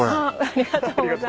ありがとうございます。